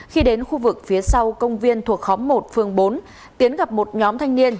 khi đến khu vực phía sau công viên thuộc khóm một phường bốn tiến gặp một nhóm thanh niên